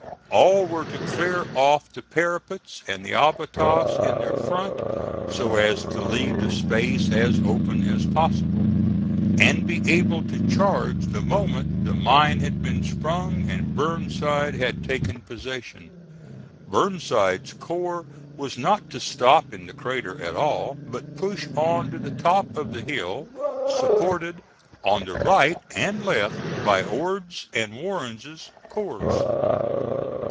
All were to clear off the parapets and the abatis in their front so as to leave the space as open as possible, and be able to charge the moment the mine had been sprung and Burnside had taken possession. Burnside's corps was not to stop in the crater at all but push on to the top of the hill, supported on the right and left by Ord's and Warren's corps.